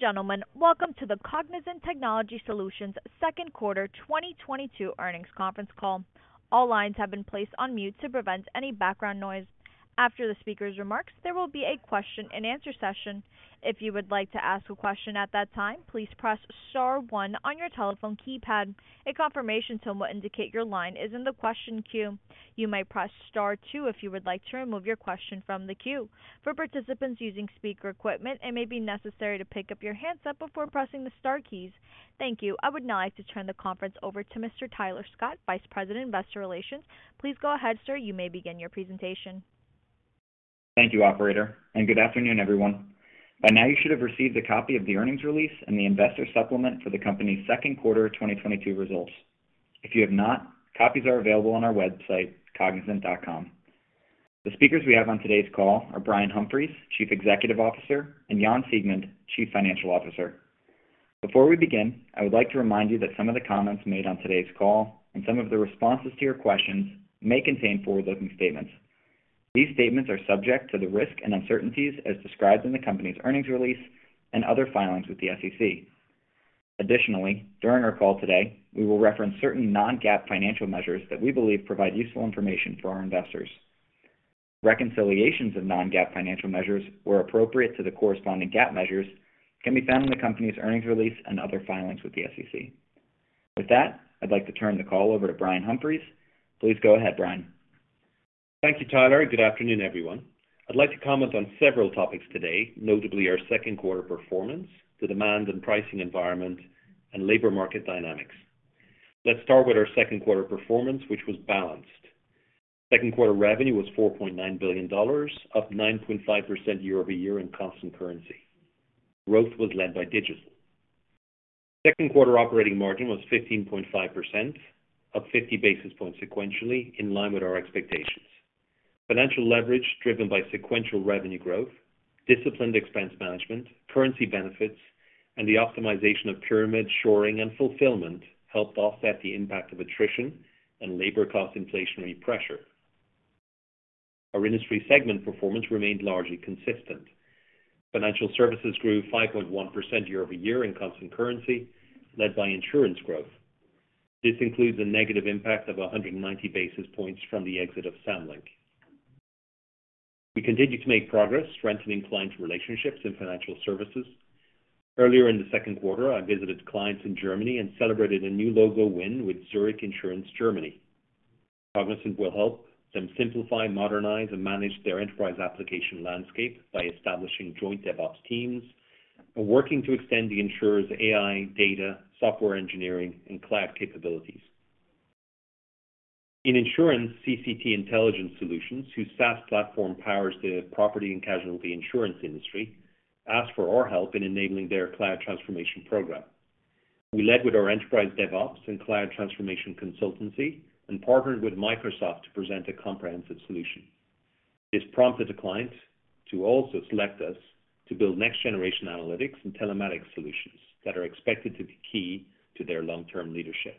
Ladies and gentlemen, welcome to the Cognizant Technology Solutions Second Quarter 2022 Earnings Conference Call. All lines have been placed on mute to prevent any background noise. After the speaker's remarks, there will be a question and answer session. If you would like to ask a question at that time, please press star one on your telephone keypad. A confirmation tone will indicate your line is in the question queue. You may press star two if you would like to remove your question from the queue. For participants using speaker equipment, it may be necessary to pick up your handset before pressing the star keys. Thank you. I would now like to turn the conference over to Mr. Tyler Scott, Vice President, Investor Relations. Please go ahead, sir. You may begin your presentation. Thank you, operator, and good afternoon, everyone. By now, you should have received a copy of the earnings release and the investor supplement for the company's second quarter 2022 results. If you have not, copies are available on our website, cognizant.com. The speakers we have on today's call are Brian Humphries, Chief Executive Officer, and Jan Siegmund, Chief Financial Officer. Before we begin, I would like to remind you that some of the comments made on today's call and some of the responses to your questions may contain forward-looking statements. These statements are subject to the risks and uncertainties as described in the company's earnings release and other filings with the SEC. Additionally, during our call today, we will reference certain non-GAAP financial measures that we believe provide useful information for our investors. Reconciliations of non-GAAP financial measures, where appropriate to the corresponding GAAP measures, can be found in the company's earnings release and other filings with the SEC. With that, I'd like to turn the call over to Brian Humphries. Please go ahead, Brian. Thank you, Tyler. Good afternoon, everyone. I'd like to comment on several topics today, notably our second quarter performance, the demand and pricing environment, and labor market dynamics. Let's start with our second quarter performance, which was balanced. Second quarter revenue was $4.9 billion, up 9.5% year-over-year in constant currency. Growth was led by digital. Second quarter operating margin was 15.5%, up 50 basis points sequentially, in line with our expectations. Financial leverage driven by sequential revenue growth, disciplined expense management, currency benefits, and the optimization of pyramid shoring and fulfillment helped offset the impact of attrition and labor cost inflationary pressure. Our industry segment performance remained largely consistent. Financial services grew 5.1% year-over-year in constant currency, led by insurance growth. This includes a negative impact of 190 basis points from the exit of Samlink. We continue to make progress strengthening client relationships in financial services. Earlier in the second quarter, I visited clients in Germany and celebrated a new logo win with Zurich Insurance Germany. Cognizant will help them simplify, modernize, and manage their enterprise application landscape by establishing joint DevOps teams and working to extend the insurer's AI, data, software engineering, and cloud capabilities. In insurance, CCC Intelligent Solutions, whose SaaS platform powers the property and casualty insurance industry, asked for our help in enabling their cloud transformation program. We led with our enterprise DevOps and cloud transformation consultancy and partnered with Microsoft to present a comprehensive solution. This prompted the client to also select us to build next-generation analytics and telematics solutions that are expected to be key to their long-term leadership.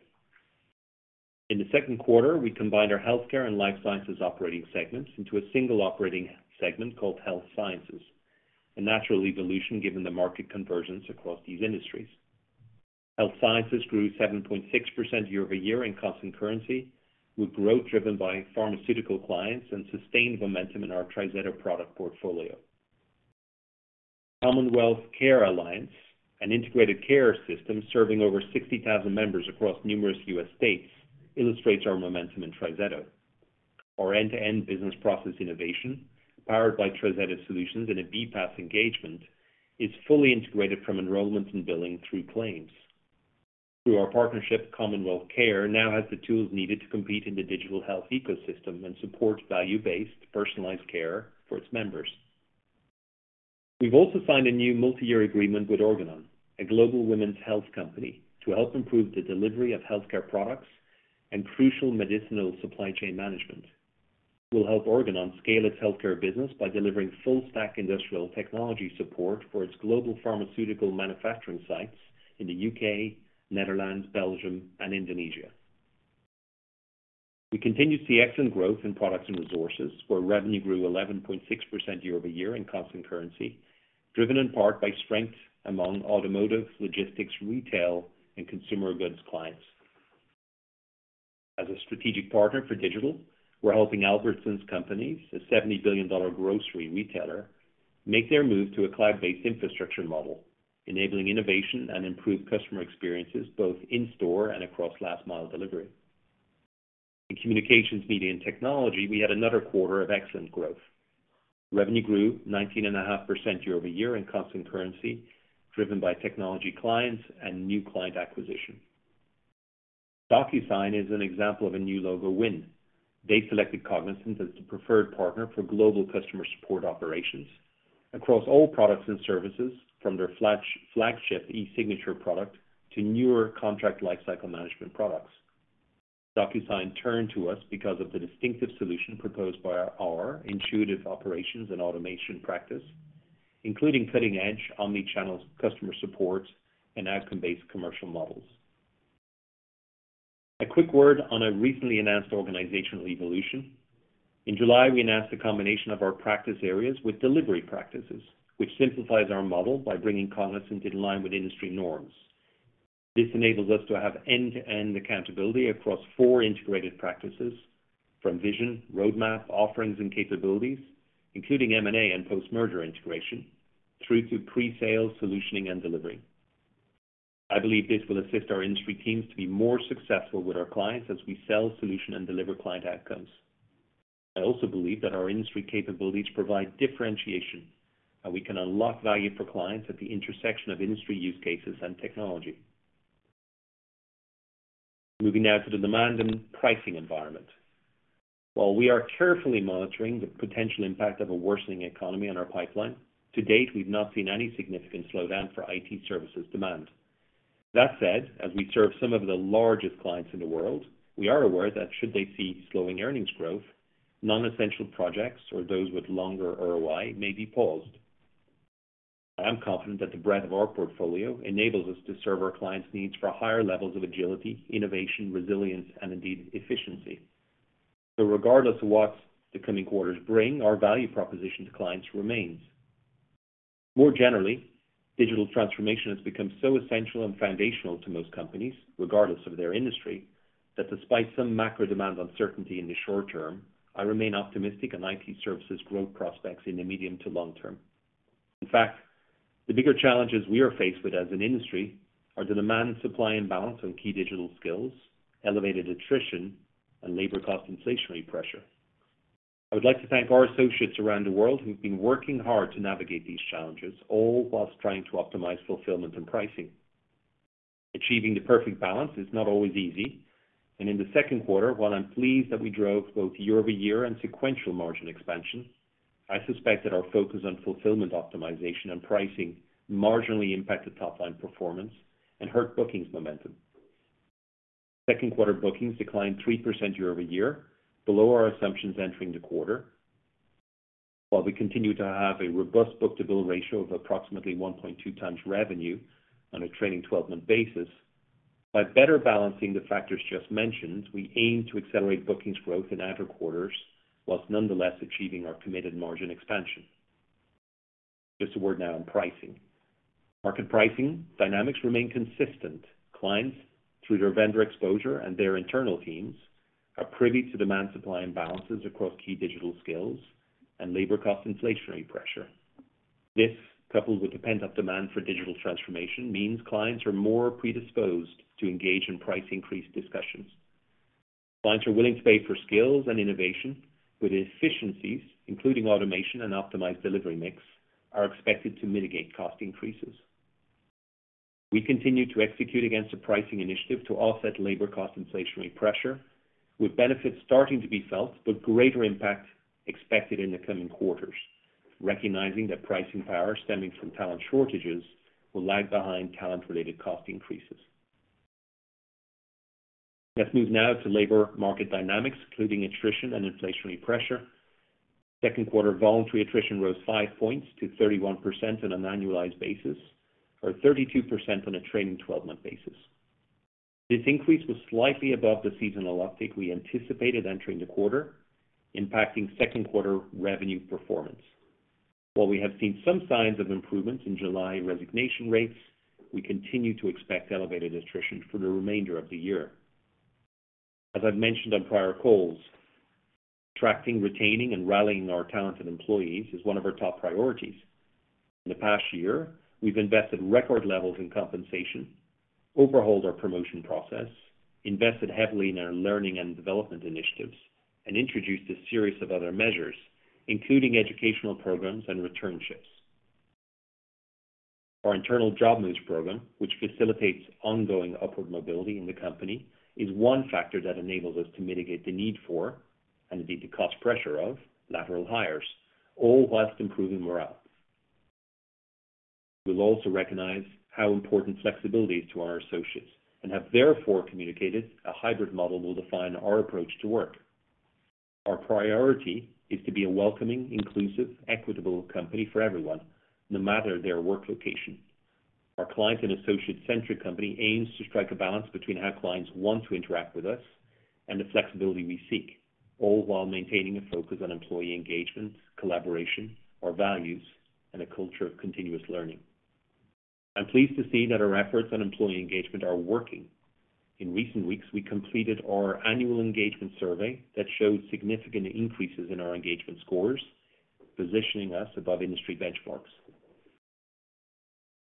In the second quarter, we combined our healthcare and life sciences operating segments into a single operating segment called Health Sciences, a natural evolution given the market conversions across these industries. Health Sciences grew 7.6% year-over-year in constant currency, with growth driven by pharmaceutical clients and sustained momentum in our TriZetto product portfolio. Commonwealth Care Alliance, an integrated care system serving over 60,000 members across numerous U.S. states, illustrates our momentum in TriZetto. Our end-to-end business process innovation, powered by TriZetto Solutions in a BPaaS engagement, is fully integrated from enrollment and billing through claims. Through our partnership, Commonwealth Care now has the tools needed to compete in the digital health ecosystem and support value-based, personalized care for its members. We've also signed a new multi-year agreement with Organon, a global women's health company, to help improve the delivery of healthcare products and crucial medicinal supply chain management. We'll help Organon scale its healthcare business by delivering full-stack industrial technology support for its global pharmaceutical manufacturing sites in the U.K., Netherlands, Belgium, and Indonesia. We continue to see excellent growth in products and resources, where revenue grew 11.6% year-over-year in constant currency, driven in part by strength among automotive, logistics, retail, and consumer goods clients. As a strategic partner for digital, we're helping Albertsons Companies, a $70 billion grocery retailer, make their move to a cloud-based infrastructure model, enabling innovation and improved customer experiences, both in-store and across last-mile delivery. In communications, media, and technology, we had another quarter of excellent growth. Revenue grew 19.5% year-over-year in constant currency, driven by technology clients and new client acquisition. DocuSign is an example of a new logo win. They selected Cognizant as the preferred partner for global customer support operations across all products and services, from their flagship e-signature product to newer contract lifecycle management products. DocuSign turned to us because of the distinctive solution proposed by our intuitive operations and automation practice, including cutting-edge omni-channel customer support and outcome-based commercial models. A quick word on a recently announced organizational evolution. In July, we announced the combination of our practice areas with delivery practices, which simplifies our model by bringing Cognizant in line with industry norms. This enables us to have end-to-end accountability across four integrated practices from vision, roadmap, offerings and capabilities, including M&A and post-merger integration, through to pre-sale solutioning and delivery. I believe this will assist our industry teams to be more successful with our clients as we sell solution and deliver client outcomes. I also believe that our industry capabilities provide differentiation, and we can unlock value for clients at the intersection of industry use cases and technology. Moving now to the demand and pricing environment. While we are carefully monitoring the potential impact of a worsening economy on our pipeline, to date, we've not seen any significant slowdown for IT services demand. That said, as we serve some of the largest clients in the world, we are aware that should they see slowing earnings growth, non-essential projects or those with longer ROI may be paused. I am confident that the breadth of our portfolio enables us to serve our clients' needs for higher levels of agility, innovation, resilience and indeed efficiency. Regardless of what the coming quarters bring, our value proposition to clients remains. More generally, digital transformation has become so essential and foundational to most companies, regardless of their industry, that despite some macro demand uncertainty in the short term, I remain optimistic on IT services growth prospects in the medium to long term. In fact, the bigger challenges we are faced with as an industry are the demand-supply imbalance on key digital skills, elevated attrition, and labor cost inflationary pressure. I would like to thank our associates around the world who've been working hard to navigate these challenges, all while trying to optimize fulfillment and pricing. Achieving the perfect balance is not always easy, and in the second quarter, while I'm pleased that we drove both year-over-year and sequential margin expansion, I suspect that our focus on fulfillment optimization and pricing marginally impacted top-line performance and hurt bookings momentum. Second quarter bookings declined 3% year-over-year, below our assumptions entering the quarter. While we continue to have a robust book-to-bill ratio of approximately 1.2 times revenue on a trailing twelve-month basis. By better balancing the factors just mentioned, we aim to accelerate bookings growth in outer quarters, while nonetheless achieving our committed margin expansion. Just a word now on pricing. Market pricing dynamics remain consistent. Clients, through their vendor exposure and their internal teams, are privy to demand-supply imbalances across key digital skills and labor cost inflationary pressure. This, coupled with the pent-up demand for digital transformation, means clients are more predisposed to engage in price increase discussions. Clients are willing to pay for skills and innovation, with efficiencies, including automation and optimized delivery mix, are expected to mitigate cost increases. We continue to execute against a pricing initiative to offset labor cost inflationary pressure, with benefits starting to be felt, but greater impact expected in the coming quarters, recognizing that pricing power stemming from talent shortages will lag behind talent-related cost increases. Let's move now to labor market dynamics, including attrition and inflationary pressure. Second quarter voluntary attrition rose 5 points to 31% on an annualized basis, or 32% on a trailing 12-month basis. This increase was slightly above the seasonal uptick we anticipated entering the quarter, impacting second quarter revenue performance. While we have seen some signs of improvement in July resignation rates, we continue to expect elevated attrition for the remainder of the year. As I've mentioned on prior calls, attracting, retaining, and rallying our talented employees is one of our top priorities. In the past year, we've invested record levels in compensation, overhauled our promotion process, invested heavily in our learning and development initiatives, and introduced a series of other measures, including educational programs and returnships. Our internal job moves program, which facilitates ongoing upward mobility in the company, is one factor that enables us to mitigate the need for, and indeed the cost pressure of, lateral hires, all while improving morale. We'll also recognize how important flexibility is to our associates and have therefore communicated a hybrid model will define our approach to work. Our priority is to be a welcoming, inclusive, equitable company for everyone, no matter their work location. Our client and associate-centric company aims to strike a balance between how clients want to interact with us and the flexibility we seek, all while maintaining a focus on employee engagement, collaboration, our values, and a culture of continuous learning. I'm pleased to see that our efforts on employee engagement are working. In recent weeks, we completed our annual engagement survey that showed significant increases in our engagement scores, positioning us above industry benchmarks.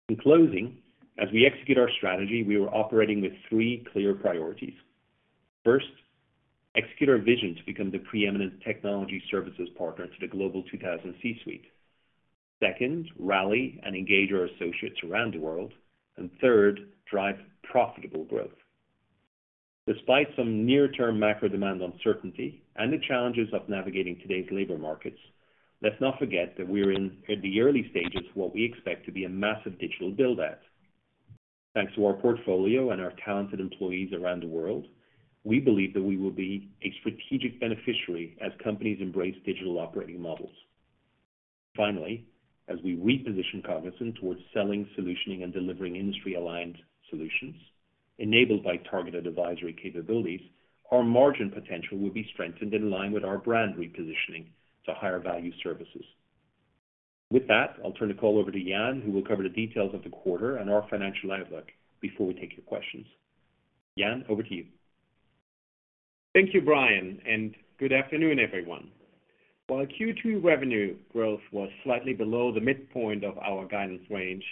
In closing, as we execute our strategy, we are operating with three clear priorities. First, execute our vision to become the preeminent technology services partner to the Global 2000 C-suite. Second, rally and engage our associates around the world. Third, drive profitable growth. Despite some near-term macro demand uncertainty and the challenges of navigating today's labor markets, let's not forget that we are in the early stages what we expect to be a massive digital build-out. Thanks to our portfolio and our talented employees around the world, we believe that we will be a strategic beneficiary as companies embrace digital operating models. Finally, as we reposition Cognizant towards selling, solutioning, and delivering industry-aligned solutions enabled by targeted advisory capabilities, our margin potential will be strengthened in line with our brand repositioning to higher value services. With that, I'll turn the call over to Jan, who will cover the details of the quarter and our financial outlook before we take your questions. Jan, over to you. Thank you, Brian, and good afternoon, everyone. While our Q2 revenue growth was slightly below the midpoint of our guidance range,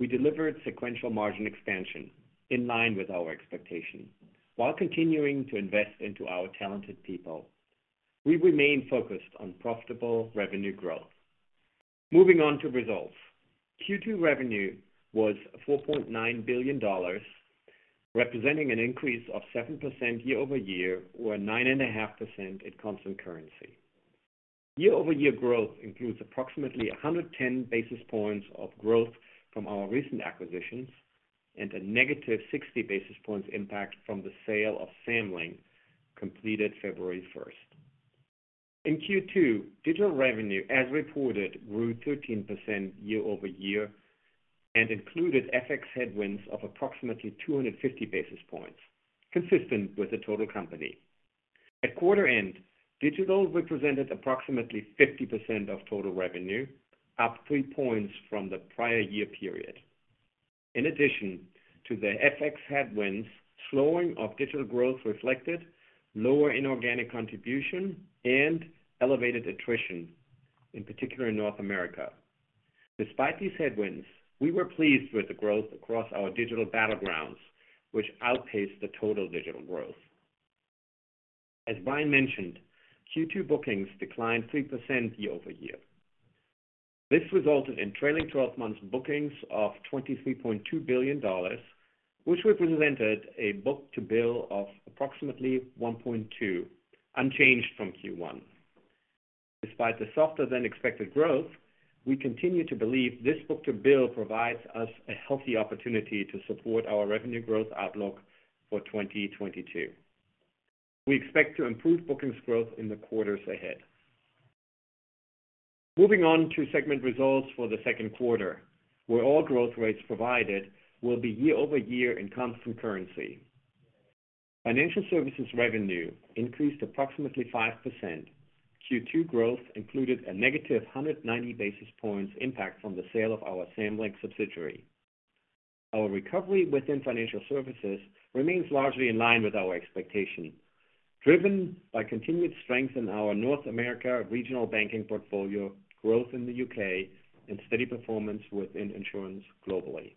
we delivered sequential margin expansion in line with our expectations while continuing to invest into our talented people. We remain focused on profitable revenue growth. Moving on to results. Q2 revenue was $4.9 billion, representing an increase of 7% year-over-year or 9.5% at constant currency. Year-over-year growth includes approximately 110 basis points of growth from our recent acquisitions and a negative 60 basis points impact from the sale of Samlink completed February 1. In Q2, digital revenue as reported grew 13% year-over-year and included FX headwinds of approximately 250 basis points, consistent with the total company. At quarter end, digital represented approximately 50% of total revenue, up three points from the prior year period. In addition to the FX headwinds, slowing of digital growth reflected lower inorganic contribution and elevated attrition, in particular in North America. Despite these headwinds, we were pleased with the growth across our digital battlegrounds, which outpaced the total digital growth. As Brian mentioned, Q2 bookings declined 3% year-over-year. This resulted in trailing 12 months bookings of $23.2 billion, which represented a book-to-bill of approximately 1.2, unchanged from Q1. Despite the softer than expected growth, we continue to believe this book-to-bill provides us a healthy opportunity to support our revenue growth outlook for 2022. We expect to improve bookings growth in the quarters ahead. Moving on to segment results for the second quarter, where all growth rates provided will be year-over-year in constant currency. Financial Services revenue increased approximately 5%. Q2 growth included a negative 190 basis points impact from the sale of our Samlink subsidiary. Our recovery within Financial Services remains largely in line with our expectation, driven by continued strength in our North America regional banking portfolio, growth in the U.K., and steady performance within insurance globally.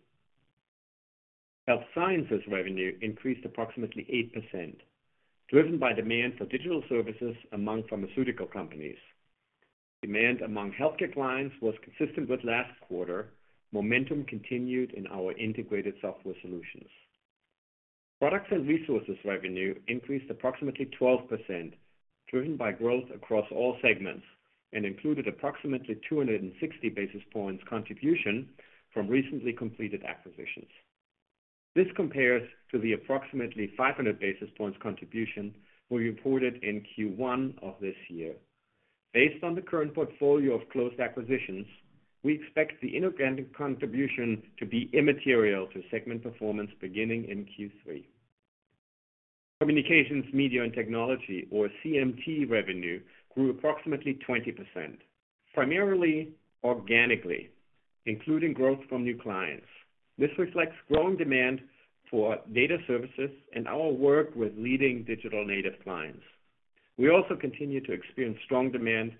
Health Sciences revenue increased approximately 8%, driven by demand for digital services among pharmaceutical companies. Demand among healthcare clients was consistent with last quarter. Momentum continued in our integrated software solutions. Products and Resources revenue increased approximately 12%, driven by growth across all segments and included approximately 260 basis points contribution from recently completed acquisitions. This compares to the approximately 500 basis points contribution we reported in Q1 of this year. Based on the current portfolio of closed acquisitions, we expect the inorganic contribution to be immaterial to segment performance beginning in Q3. Communications, media, and technology, or CMT revenue, grew approximately 20%, primarily organically, including growth from new clients. This reflects growing demand for data services and our work with leading digital native clients. We also continue to experience strong demand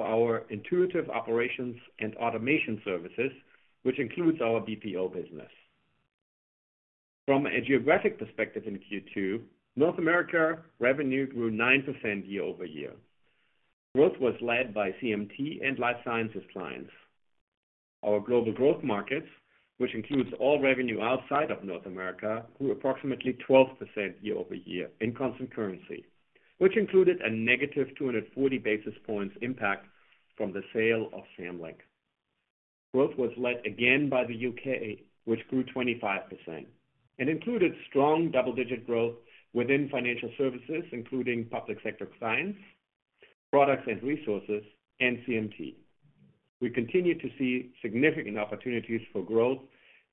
for our intuitive operations and automation services, which includes our BPO business. From a geographic perspective in Q2, North America revenue grew 9% year-over-year. Growth was led by CMT and life sciences clients. Our global growth markets, which includes all revenue outside of North America, grew approximately 12% year-over-year in constant currency, which included a negative 240 basis points impact from the sale of Samlink. Growth was led again by the UK, which grew 25% and included strong double-digit growth within financial services, including public sector clients, products and resources, and CMT. We continue to see significant opportunities for growth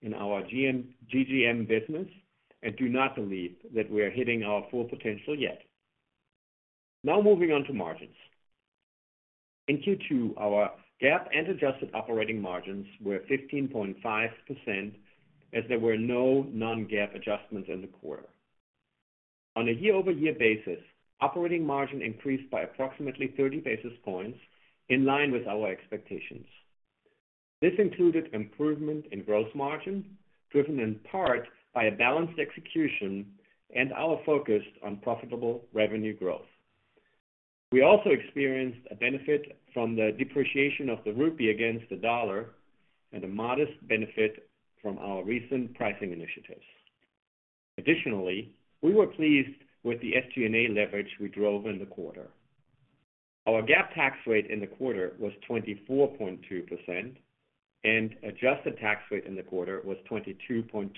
in our GGM business and do not believe that we are hitting our full potential yet. Now moving on to margins. In Q2, our GAAP and adjusted operating margins were 15.5% as there were no non-GAAP adjustments in the quarter. On a year-over-year basis, operating margin increased by approximately 30 basis points in line with our expectations. This included improvement in gross margin, driven in part by a balanced execution and our focus on profitable revenue growth. We also experienced a benefit from the depreciation of the rupee against the dollar and a modest benefit from our recent pricing initiatives. Additionally, we were pleased with the SG&A leverage we drove in the quarter. Our GAAP tax rate in the quarter was 24.2%, and adjusted tax rate in the quarter was 22.2%.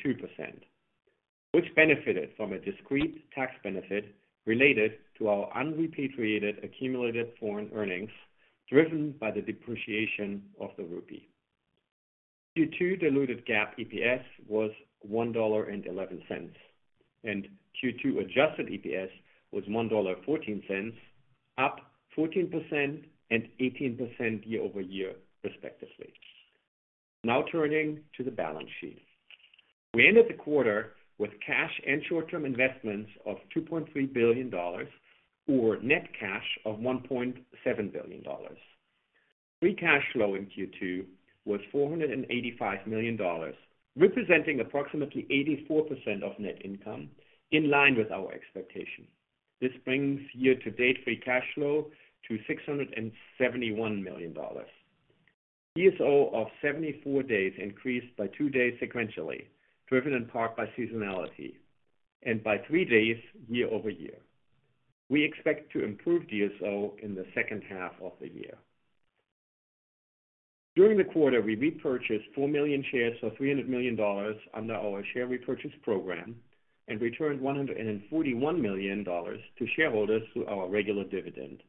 Which benefited from a discrete tax benefit related to our unrepatriated accumulated foreign earnings, driven by the depreciation of the rupee. Q2 diluted GAAP EPS was $1.11, and Q2 adjusted EPS was $1.14, up 14% and 18% year-over-year, respectively. Now turning to the balance sheet. We ended the quarter with cash and short-term investments of $2.3 billion, or net cash of $1.7 billion. Free cash flow in Q2 was $485 million, representing approximately 84% of net income, in line with our expectation. This brings year-to-date free cash flow to $671 million. DSO of 74 days increased by 2 days sequentially, driven in part by seasonality, and by 3 days year-over-year. We expect to improve DSO in the second half of the year. During the quarter, we repurchased 4 million shares for $300 million under our share repurchase program, and returned $141 million to shareholders through our regular dividend.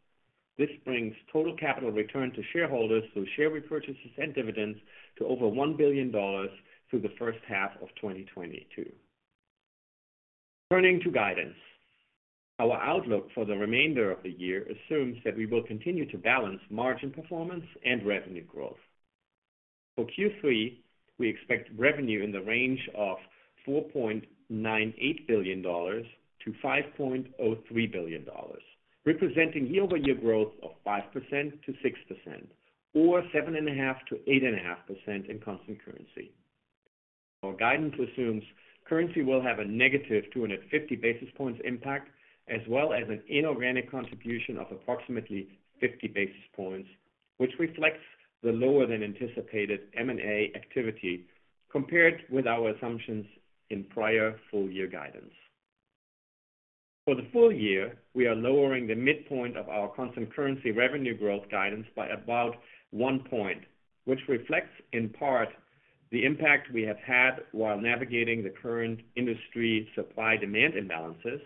This brings total capital return to shareholders through share repurchases and dividends to over $1 billion through the first half of 2022. Turning to guidance. Our outlook for the remainder of the year assumes that we will continue to balance margin performance and revenue growth. For Q3, we expect revenue in the range of $4.98 billion-$5.03 billion, representing year-over-year growth of 5%-6% or 7.5%-8.5% in constant currency. Our guidance assumes currency will have a negative 250 basis points impact as well as an inorganic contribution of approximately 50 basis points, which reflects the lower than anticipated M&A activity compared with our assumptions in prior full year guidance. For the full year, we are lowering the midpoint of our constant currency revenue growth guidance by about 1%, which reflects in part the impact we have had while navigating the current industry supply-demand imbalances,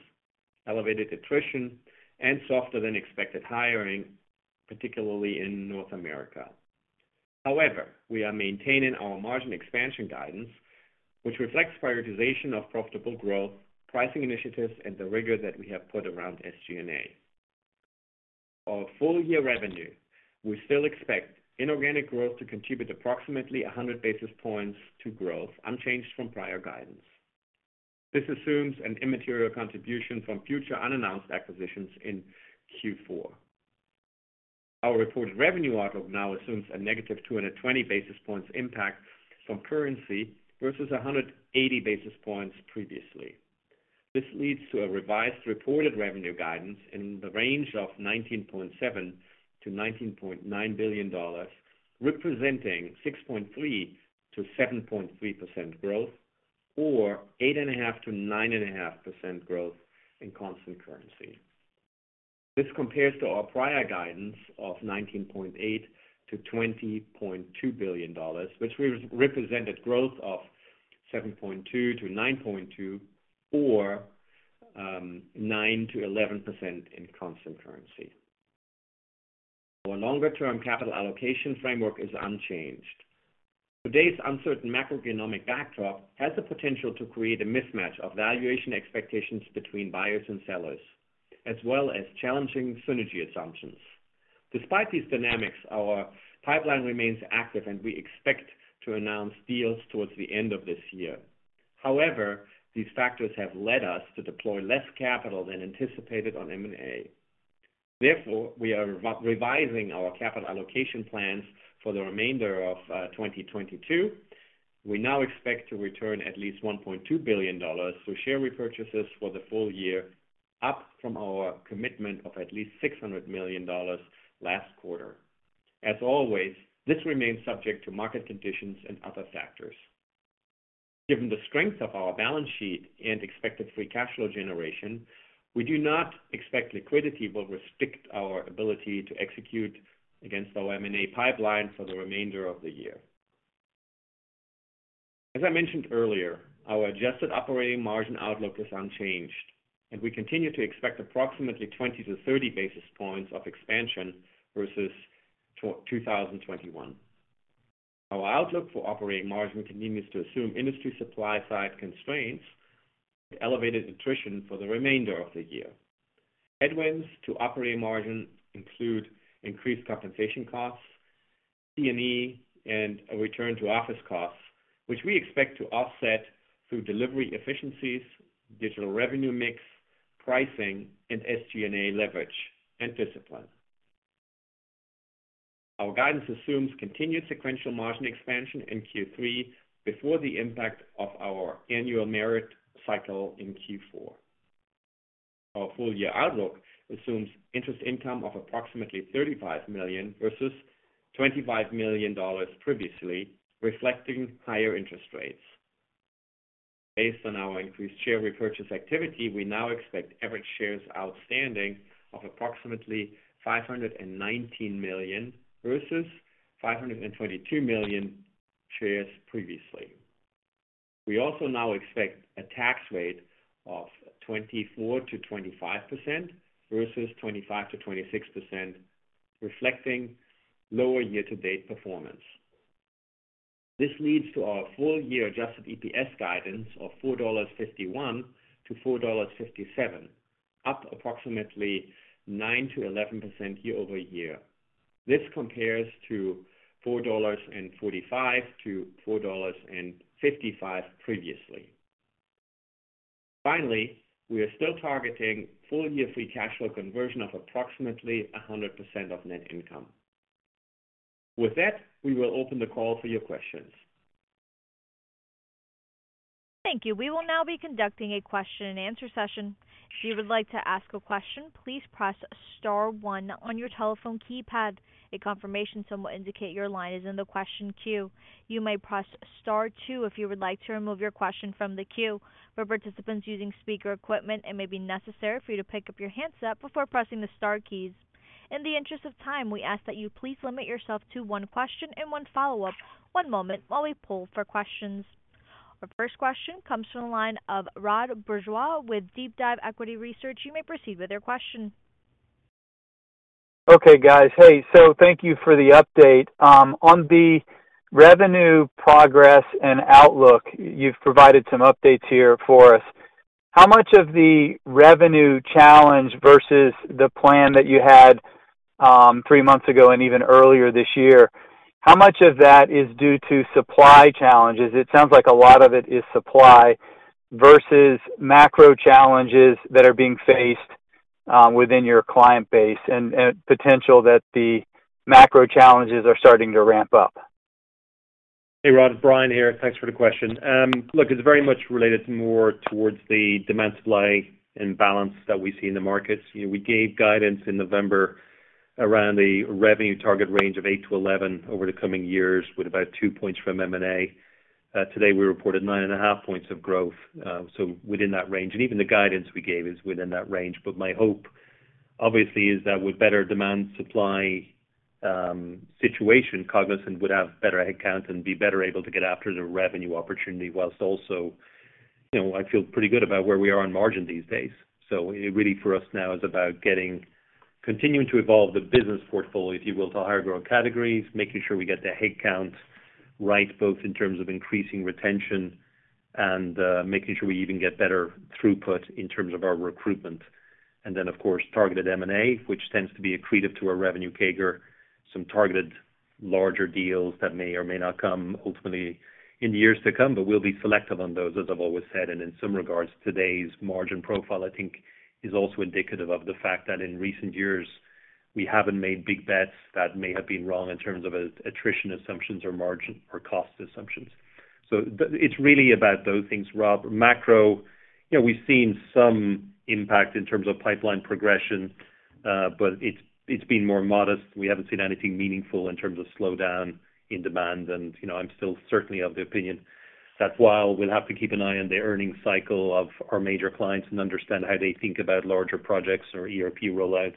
elevated attrition, and softer than expected hiring, particularly in North America. However, we are maintaining our margin expansion guidance, which reflects prioritization of profitable growth, pricing initiatives, and the rigor that we have put around SG&A. Our full-year revenue. We still expect inorganic growth to contribute approximately 100 basis points to growth, unchanged from prior guidance. This assumes an immaterial contribution from future unannounced acquisitions in Q4. Our reported revenue outlook now assumes a negative 220 basis points impact from currency versus 180 basis points previously. This leads to a revised reported revenue guidance in the range of $19.7 billion-$19.9 billion, representing 6.3%-7.3% growth, or 8.5%-9.5% growth in constant currency. This compares to our prior guidance of $19.8 billion-$20.2 billion, which represented growth of 7.2%-9.2%, or 9%-11% in constant currency. Our longer-term capital allocation framework is unchanged. Today's uncertain macroeconomic backdrop has the potential to create a mismatch of valuation expectations between buyers and sellers, as well as challenging synergy assumptions. Despite these dynamics, our pipeline remains active, and we expect to announce deals towards the end of this year. However, these factors have led us to deploy less capital than anticipated on M&A. Therefore, we are revising our capital allocation plans for the remainder of 2022. We now expect to return at least $1.2 billion through share repurchases for the full year, up from our commitment of at least $600 million last quarter. As always, this remains subject to market conditions and other factors. Given the strength of our balance sheet and expected free cash flow generation, we do not expect liquidity will restrict our ability to execute against our M&A pipeline for the remainder of the year. As I mentioned earlier, our adjusted operating margin outlook is unchanged, and we continue to expect approximately 20 to 30 basis points of expansion versus 2021. Our outlook for operating margin continues to assume industry supply-side constraints, the elevated attrition for the remainder of the year. Headwinds to operating margin include increased compensation costs, T&E, and a return to office costs, which we expect to offset through delivery efficiencies, digital revenue mix, pricing, and SG&A leverage and discipline. Our guidance assumes continued sequential margin expansion in Q3 before the impact of our annual merit cycle in Q4. Our full-year outlook assumes interest income of approximately $35 million versus $25 million previously, reflecting higher interest rates. Based on our increased share repurchase activity, we now expect average shares outstanding of approximately 519 million versus 522 million shares previously. We also now expect a tax rate of 24%-25% versus 25%-26%, reflecting lower year-to-date performance. This leads to our full-year adjusted EPS guidance of $4.51-$4.57, up approximately 9%-11% year-over-year. This compares to $4.45-$4.55 previously. Finally, we are still targeting full-year free cash flow conversion of approximately 100% of net income. With that, we will open the call for your questions. Thank you. We will now be conducting a question-and-answer session. If you would like to ask a question, please press star one on your telephone keypad. A confirmation tone will indicate your line is in the question queue. You may press star two if you would like to remove your question from the queue. For participants using speaker equipment, it may be necessary for you to pick up your handset before pressing the star keys. In the interest of time, we ask that you please limit yourself to one question and one follow-up. One moment while we poll for questions. Our first question comes from the line of Rod Bourgeois with DeepDive Equity Research. You may proceed with your question. Okay, guys. Hey, so thank you for the update. On the revenue progress and outlook, you've provided some updates here for us. How much of the revenue challenge versus the plan that you had three months ago and even earlier this year is due to supply challenges? It sounds like a lot of it is supply versus macro challenges that are being faced within your client base and potential that the macro challenges are starting to ramp up. Hey, Rod. Brian here. Thanks for the question. Look, it's very much related more towards the demand supply and balance that we see in the markets. You know, we gave guidance in November around the revenue target range of 8%-11% over the coming years, with about 2 points from M&A. Today, we reported 9.5 points of growth, so within that range, and even the guidance we gave is within that range. My hope, obviously, is that with better demand supply situation, Cognizant would have better headcount and be better able to get after the revenue opportunity while also, you know, I feel pretty good about where we are on margin these days. It really for us now is about getting, continuing to evolve the business portfolio, if you will, to higher growth categories, making sure we get the headcounts right, both in terms of increasing retention and, making sure we even get better throughput in terms of our recruitment. And then of course, targeted M&A, which tends to be accretive to our revenue CAGR, some targeted larger deals that may or may not come ultimately in the years to come, but we'll be selective on those, as I've always said. And in some regards, today's margin profile, I think, is also indicative of the fact that in recent years, we haven't made big bets that may have been wrong in terms of attrition assumptions or margin or cost assumptions. It's really about those things, Rod. Macro, you know, we've seen some impact in terms of pipeline progression, but it's been more modest. We haven't seen anything meaningful in terms of slowdown in demand. You know, I'm still certainly of the opinion that while we'll have to keep an eye on the earnings cycle of our major clients and understand how they think about larger projects or ERP roll-outs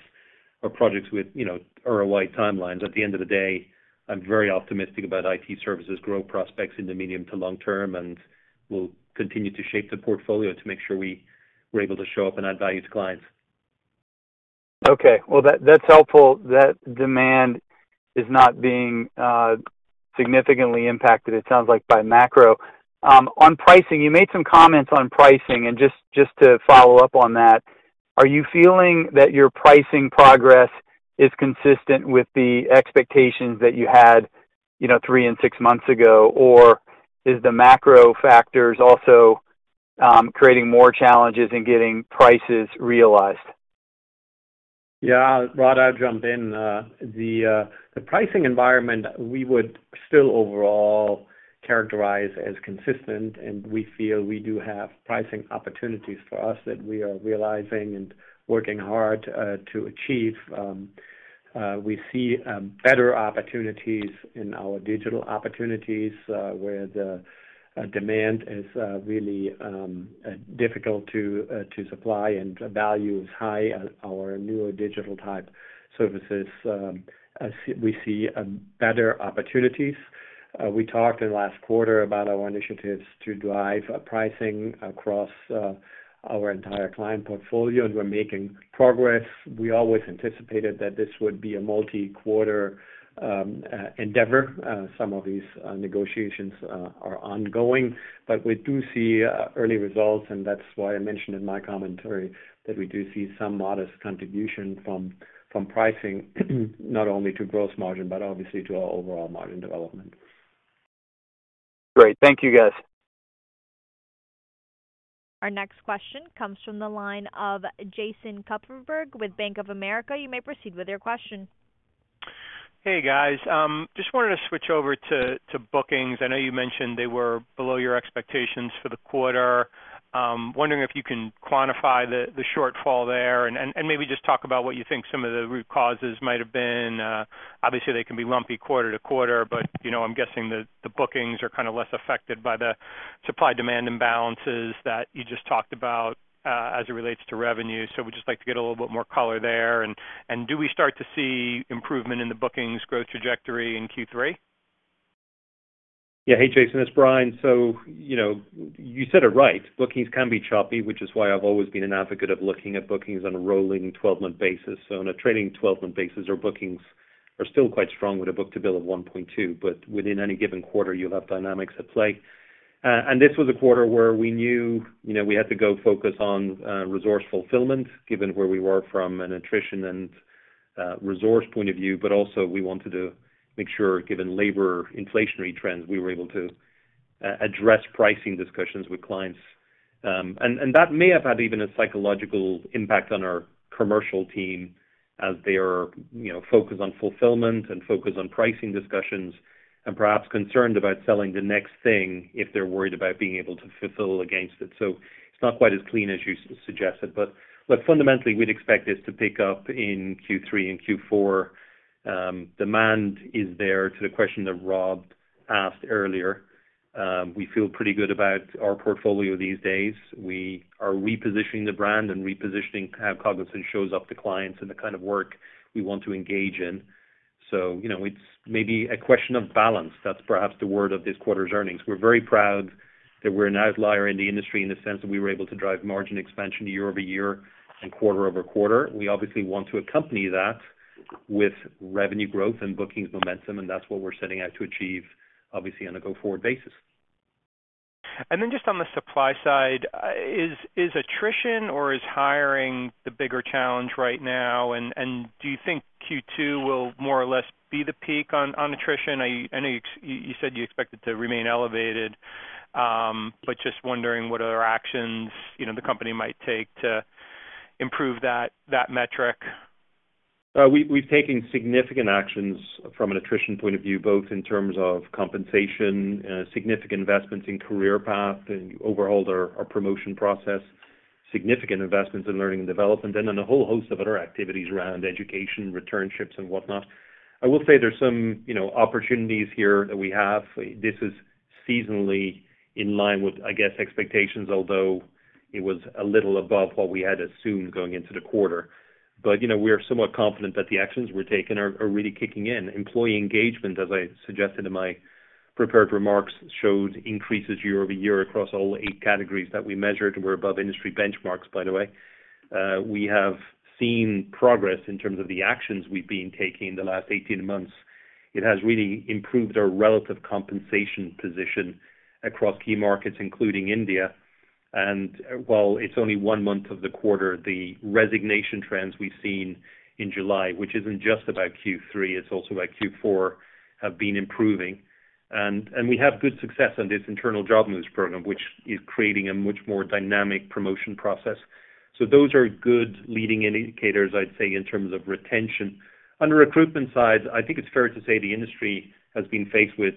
or projects with, you know, ROI timelines, at the end of the day, I'm very optimistic about IT services growth prospects in the medium to long term, and we'll continue to shape the portfolio to make sure we were able to show up and add value to clients. Okay. Well, that's helpful that demand is not being significantly impacted, it sounds like, by macro. On pricing, you made some comments on pricing, and just to follow up on that, are you feeling that your pricing progress is consistent with the expectations that you had, you know, three and six months ago? Or is the macro factors also creating more challenges in getting prices realized? Yeah. Rod, I'll jump in. The pricing environment we would still overall characterize as consistent, and we feel we do have pricing opportunities for us that we are realizing and working hard to achieve. We see better opportunities in our digital opportunities, where the demand is really difficult to supply and value is high. Our newer digital type services, we see better opportunities. We talked in last quarter about our initiatives to drive pricing across our entire client portfolio, and we're making progress. We always anticipated that this would be a multi-quarter endeavor. Some of these negotiations are ongoing, but we do see early results, and that's why I mentioned in my commentary that we do see some modest contribution from pricing, not only to gross margin, but obviously to our overall margin development. Great. Thank you, guys. Our next question comes from the line of Jason Kupferberg with Bank of America. You may proceed with your question. Hey, guys. Just wanted to switch over to bookings. I know you mentioned they were below your expectations for the quarter. Wondering if you can quantify the shortfall there and maybe just talk about what you think some of the root causes might have been. Obviously they can be lumpy quarter to quarter, but you know, I'm guessing the bookings are kind of less affected by the supply-demand imbalances that you just talked about as it relates to revenue. We'd just like to get a little bit more color there. Do we start to see improvement in the bookings growth trajectory in Q3? Yeah. Hey, Jason, it's Brian. You know, you said it right. Bookings can be choppy, which is why I've always been an advocate of looking at bookings on a rolling twelve-month basis. On a trailing twelve-month basis, our bookings are still quite strong with a book-to-bill of 1.2. But within any given quarter, you'll have dynamics at play. This was a quarter where we knew, you know, we had to go focus on resource fulfillment, given where we were from an attrition and resource point of view. But also we wanted to make sure, given labor inflationary trends, we were able to address pricing discussions with clients. that may have had even a psychological impact on our commercial team as they are, you know, focused on fulfillment and focused on pricing discussions and perhaps concerned about selling the next thing if they're worried about being able to fulfill against it. It's not quite as clean as you suggested, but fundamentally, we'd expect this to pick up in Q3 and Q4. Demand is there, as to the question that Rod asked earlier. We feel pretty good about our portfolio these days. We are repositioning the brand and repositioning how Cognizant shows up to clients and the kind of work we want to engage in. It's maybe a question of balance. That's perhaps the word of this quarter's earnings. We're very proud that we're an outlier in the industry in the sense that we were able to drive margin expansion year-over-year and quarter-over-quarter. We obviously want to accompany that with revenue growth and bookings momentum, and that's what we're setting out to achieve, obviously on a go-forward basis. Just on the supply side, is attrition or is hiring the bigger challenge right now? Do you think Q2 will more or less be the peak on attrition? I know you said you expect it to remain elevated, but just wondering what other actions, you know, the company might take to improve that metric. We've taken significant actions from an attrition point of view, both in terms of compensation, significant investments in career path and overhauled our promotion process, significant investments in learning and development, and then a whole host of other activities around education, returnships and whatnot. I will say there's some, you know, opportunities here that we have. This is seasonally in line with, I guess, expectations, although it was a little above what we had assumed going into the quarter. You know, we are somewhat confident that the actions we're taking are really kicking in. Employee engagement, as I suggested in my prepared remarks, showed increases year-over-year across all eight categories that we measured. We're above industry benchmarks, by the way. We have seen progress in terms of the actions we've been taking the last 18 months. It has really improved our relative compensation position across key markets, including India. While it's only one month of the quarter, the resignation trends we've seen in July, which isn't just about Q3, it's also about Q4, have been improving. We have good success on this internal job moves program, which is creating a much more dynamic promotion process. Those are good leading indicators, I'd say, in terms of retention. On the recruitment side, I think it's fair to say the industry has been faced with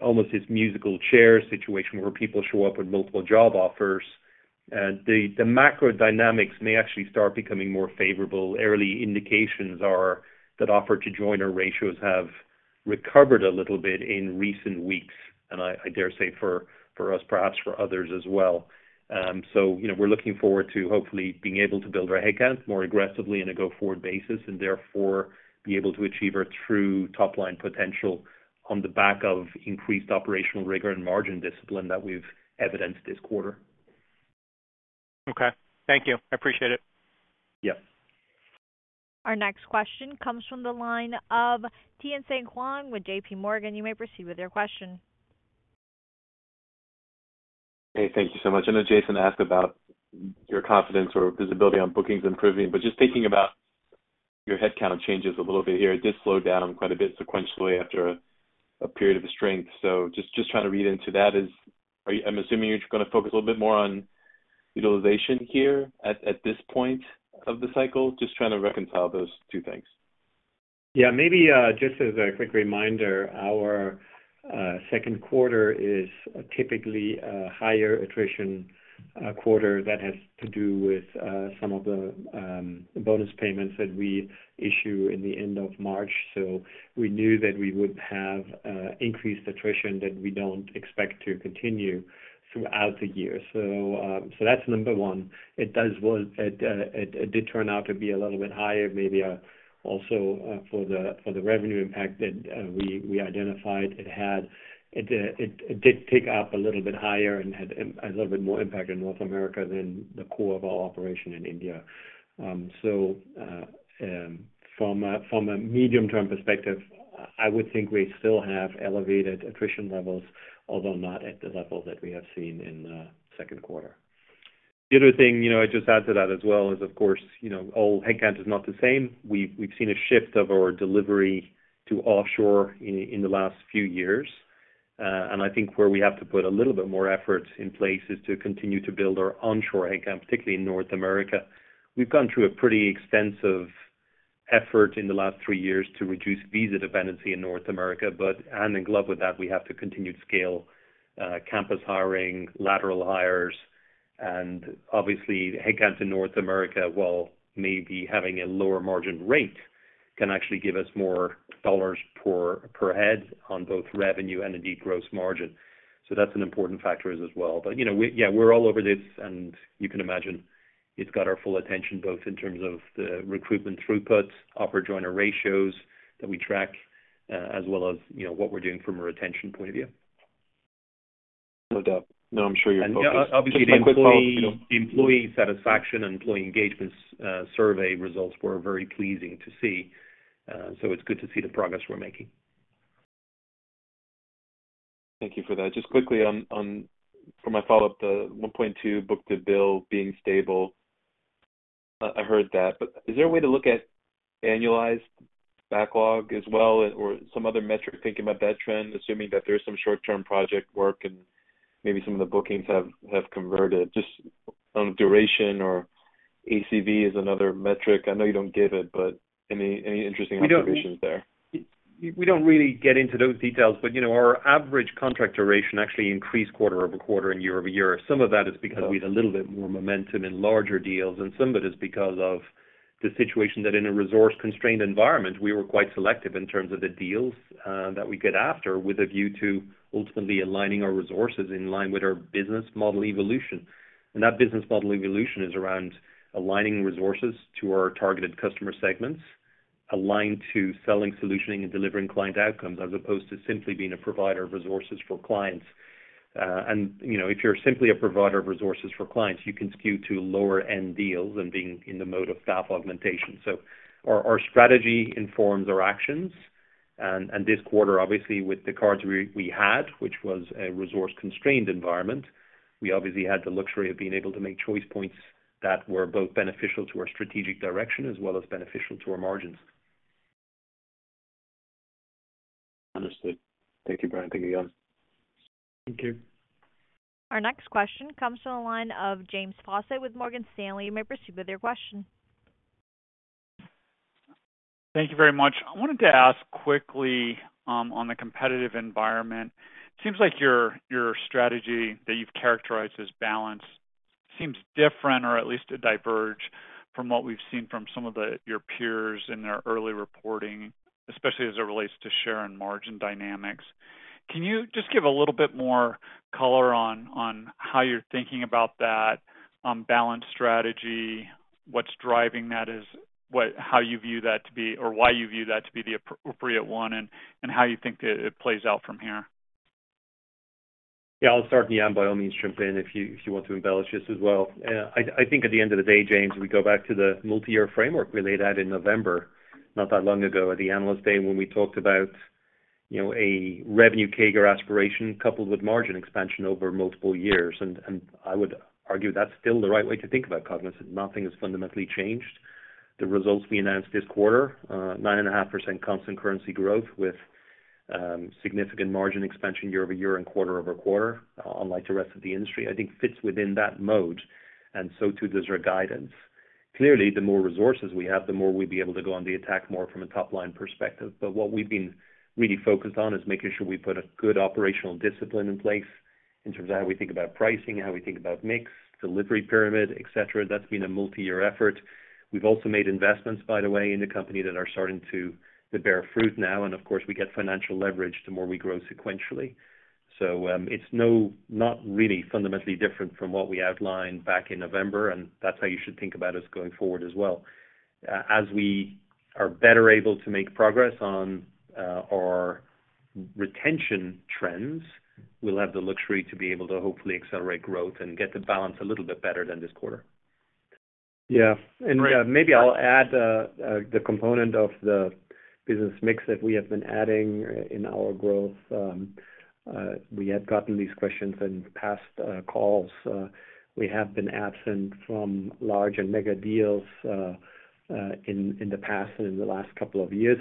almost this musical chair situation where people show up with multiple job offers. The macro dynamics may actually start becoming more favorable. Early indications are that offer-to-joiner ratios have recovered a little bit in recent weeks, and I dare say for us, perhaps for others as well. You know, we're looking forward to hopefully being able to build our headcount more aggressively on a go-forward basis and therefore be able to achieve our true top-line potential on the back of increased operational rigor and margin discipline that we've evidenced this quarter. Okay. Thank you. I appreciate it. Yeah. Our next question comes from the line of Tien-Tsin Huang with JPMorgan. You may proceed with your question. Hey, thank you so much. I know Jason asked about your confidence or visibility on bookings improving, but just thinking about your headcount changes a little bit here, it did slow down quite a bit sequentially after a period of strength. Just trying to read into that is, are you? I'm assuming you're gonna focus a little bit more on utilization here at this point of the cycle. Just trying to reconcile those two things. Yeah. Maybe just as a quick reminder, our second quarter is typically a higher attrition quarter that has to do with some of the bonus payments that we issue in the end of March. We knew that we would have increased attrition that we don't expect to continue throughout the year. That's number one. It did turn out to be a little bit higher, maybe also for the revenue impact that we identified it had. It did tick up a little bit higher and had a little bit more impact in North America than the core of our operation in India. From a medium-term perspective, I would think we still have elevated attrition levels, although not at the level that we have seen in the second quarter. The other thing, you know, I'd just add to that as well is of course, you know, all headcount is not the same. We've seen a shift of our delivery to offshore in the last few years. I think where we have to put a little bit more effort in place is to continue to build our onshore headcount, particularly in North America. We've gone through a pretty extensive effort in the last three years to reduce visa dependency in North America, but hand in glove with that, we have to continue to scale campus hiring, lateral hires, and obviously headcount in North America, while maybe having a lower margin rate, can actually give us more dollars per head on both revenue and indeed gross margin. That's an important factor as well. You know, we're all over this, and you can imagine it's got our full attention, both in terms of the recruitment throughputs, offer joiner ratios that we track, as well as, you know, what we're doing from a retention point of view. No doubt. No, I'm sure you're focused. Just a quick follow-up, you know. Obviously, the employee satisfaction, employee engagements survey results were very pleasing to see. It's good to see the progress we're making. Thank you for that. Just quickly on for my follow-up, the 1.2 book-to-bill being stable. I heard that, but is there a way to look at annualized backlog as well or some other metric thinking about that trend, assuming that there's some short-term project work and maybe some of the bookings have converted just on duration or ACV is another metric? I know you don't give it, but any interesting observations there? We don't really get into those details. You know, our average contract duration actually increased quarter-over-quarter and year-over-year. Some of that is because we had a little bit more momentum in larger deals, and some of it is because of the situation that in a resource-constrained environment, we were quite selective in terms of the deals that we go after, with a view to ultimately aligning our resources in line with our business model evolution. That business model evolution is around aligning resources to our targeted customer segments, aligned to selling solutioning and delivering client outcomes, as opposed to simply being a provider of resources for clients. You know, if you're simply a provider of resources for clients, you can skew to lower end deals and being in the mode of staff augmentation. Our strategy informs our actions. This quarter, obviously, with the cards we had, which was a resource-constrained environment, we obviously had the luxury of being able to make choice points that were both beneficial to our strategic direction as well as beneficial to our margins. Understood. Thank you, Brian. Thank you, Jan. Thank you. Our next question comes from the line of James Faucette with Morgan Stanley. You may proceed with your question. Thank you very much. I wanted to ask quickly on the competitive environment. Seems like your strategy that you've characterized as balanced seems different or at least a divergence from what we've seen from some of your peers in their early reporting, especially as it relates to share and margin dynamics. Can you just give a little bit more color on how you're thinking about that balance strategy? What's driving that, how you view that to be or why you view that to be the appropriate one, and how you think it plays out from here. Yeah, I'll start and Jan, by all means, jump in if you want to embellish this as well. I think at the end of the day, James, we go back to the multi-year framework we laid out in November, not that long ago, at the Analyst Day when we talked about, you know, a revenue CAGR aspiration coupled with margin expansion over multiple years. I would argue that's still the right way to think about Cognizant. Nothing has fundamentally changed. The results we announced this quarter, 9.5% constant currency growth with significant margin expansion year-over-year and quarter-over-quarter, unlike the rest of the industry, I think fits within that mode, and so too does our guidance. Clearly, the more resources we have, the more we'd be able to go on the attack more from a top-line perspective. What we've been really focused on is making sure we put a good operational discipline in place in terms of how we think about pricing, how we think about mix, delivery pyramid, et cetera. That's been a multi-year effort. We've also made investments, by the way, in the company that are starting to bear fruit now, and of course, we get financial leverage the more we grow sequentially. It's not really fundamentally different from what we outlined back in November, and that's how you should think about us going forward as well. As we are better able to make progress on our retention trends, we'll have the luxury to be able to hopefully accelerate growth and get the balance a little bit better than this quarter. Yeah. Maybe I'll add the component of the business mix that we have been adding in our growth. We had gotten these questions in past calls. We have been absent from large and mega deals in the past and in the last couple of years.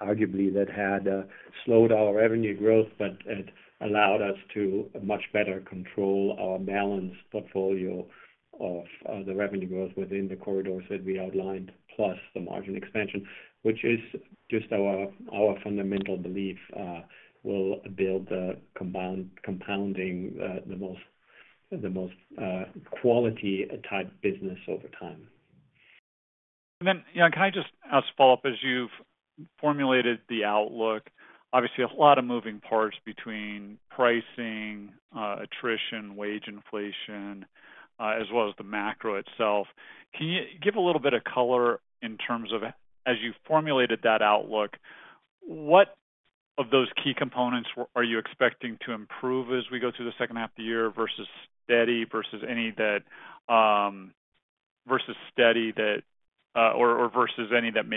Arguably that had slowed our revenue growth, but it allowed us to much better control our balanced portfolio of the revenue growth within the corridors that we outlined, plus the margin expansion, which is just our fundamental belief will build compounding the most quality type business over time. Jan, can I just ask a follow-up as you've formulated the outlook? Obviously, a lot of moving parts between pricing, attrition, wage inflation, as well as the macro itself. Can you give a little bit of color in terms of as you formulated that outlook, what of those key components are you expecting to improve as we go through the second half of the year versus steady, or versus any that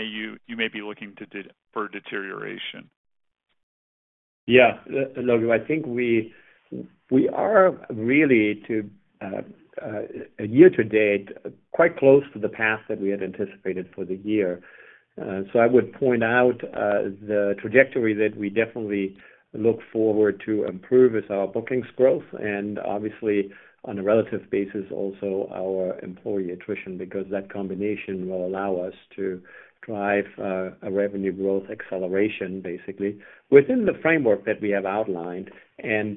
may deteriorate? Yeah. Look, I think we are really, year to date, quite close to the path that we had anticipated for the year. I would point out the trajectory that we definitely look forward to improve is our bookings growth, and obviously on a relative basis also our employee attrition, because that combination will allow us to drive a revenue growth acceleration, basically, within the framework that we have outlined and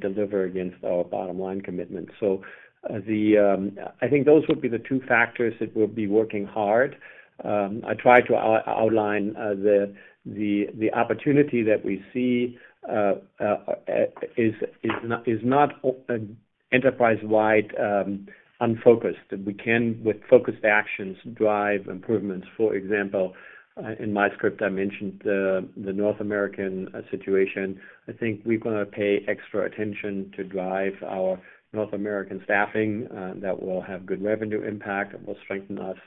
deliver against our bottom-line commitments. I think those would be the two factors that we'll be working hard. I tried to outline the opportunity that we see is not an enterprise-wide unfocused. We can, with focused actions, drive improvements. For example, in my script, I mentioned the North American situation. I think we're gonna pay extra attention to drive our North American staffing. That will have good revenue impact. It will strengthen us.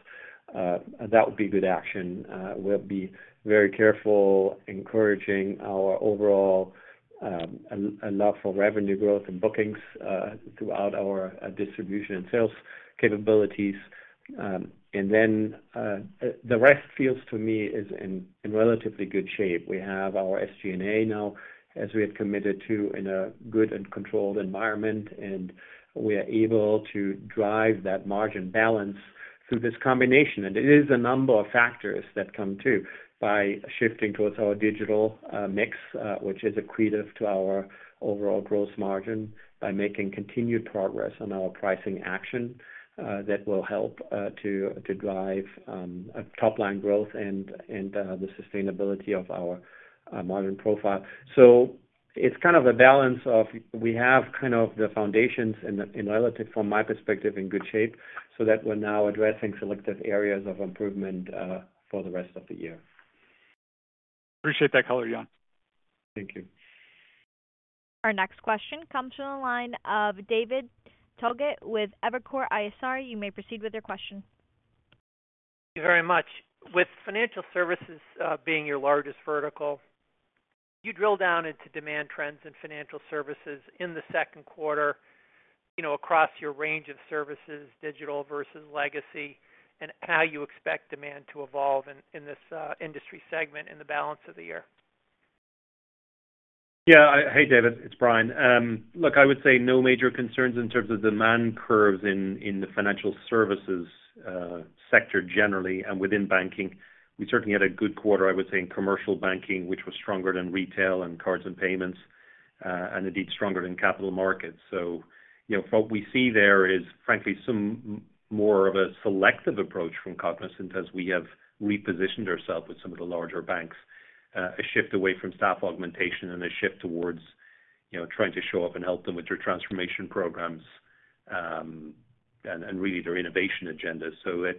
That would be good action. We'll be very careful encouraging our overall a love for revenue growth and bookings throughout our distribution and sales capabilities. The rest feels to me is in relatively good shape. We have our SG&A now as we had committed to in a good and controlled environment, and we are able to drive that margin balance through this combination. It is a number of factors that come too, by shifting towards our digital mix, which is accretive to our overall gross margin by making continued progress on our pricing action, that will help to drive top line growth and the sustainability of our modern profile. It's kind of a balance that we have kind of the foundations in a relatively good shape from my perspective, so that we're now addressing selective areas of improvement for the rest of the year. Appreciate that color, Jan. Thank you. Our next question comes from the line of David Togut with Evercore ISI. You may proceed with your question. Thank you very much. With financial services being your largest vertical, you drill down into demand trends and financial services in the second quarter, you know, across your range of services, digital versus legacy, and how you expect demand to evolve in this industry segment in the balance of the year? Yeah. Hey, David, it's Brian. Look, I would say no major concerns in terms of demand curves in the financial services sector generally and within banking. We certainly had a good quarter, I would say, in commercial banking, which was stronger than retail and cards and payments, and indeed stronger than capital markets. You know, what we see there is frankly some more of a selective approach from Cognizant as we have repositioned ourselves with some of the larger banks, a shift away from staff augmentation and a shift towards trying to show up and help them with their transformation programs, and really their innovation agenda.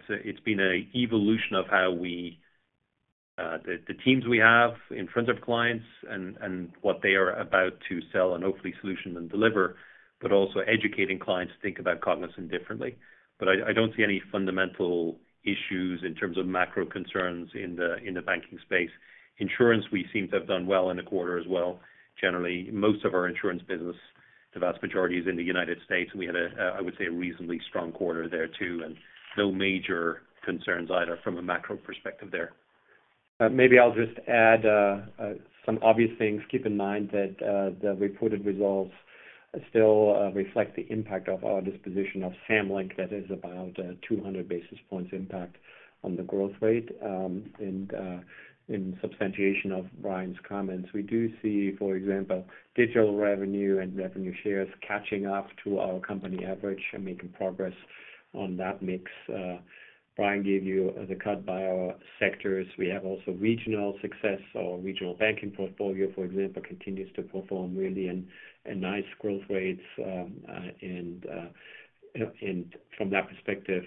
It's been an evolution of how we the teams we have in front of clients and what they are about to sell and hopefully solution and deliver, but also educating clients to think about Cognizant differently. I don't see any fundamental issues in terms of macro concerns in the banking space. Insurance, we seem to have done well in the quarter as well. Generally, most of our insurance business, the vast majority is in the United States, and we had, I would say, a reasonably strong quarter there too, and no major concerns either from a macro perspective there. Maybe I'll just add some obvious things. Keep in mind that the reported results still reflect the impact of our disposition of Samlink. That is about 200 basis points impact on the growth rate. In substantiation of Brian's comments, we do see, for example, digital revenue and revenue shares catching up to our company average and making progress on that mix. Brian gave you the cut by our sectors. We have also regional success. Our regional banking portfolio, for example, continues to perform really in a nice growth rates, and from that perspective,